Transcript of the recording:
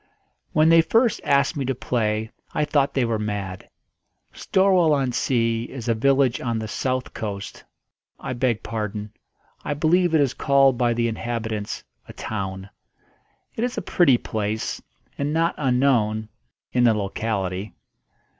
When they first asked me to play I thought they were mad. Storwell on Sea is a village on the south coast I beg pardon; I believe it is called by the inhabitants a town. It is a pretty place, and not unknown in the locality.